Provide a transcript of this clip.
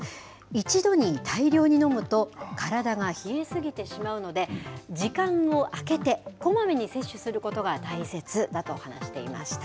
一度に大量に飲むと体が冷えすぎてしまうので、時間を空けて、こまめに摂取することが大切だと話していました。